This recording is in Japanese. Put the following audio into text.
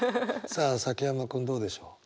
さあ崎山君どうでしょう？